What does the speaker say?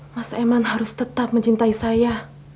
mas eman harus tetap mencintai saya